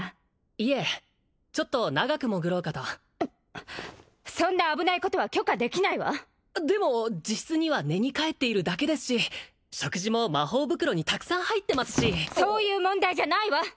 いえちょっと長く潜ろうかとそんな危ないことは許可できないわでも自室には寝に帰っているだけですし食事も魔法袋にたくさん入ってますしそういう問題じゃないわ！